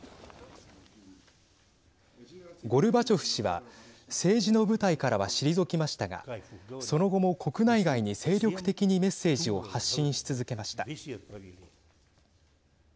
ゴルバチョフ氏は政治の舞台からは退きましたがその後も国内外に精力的にメッセージを発信し続けました。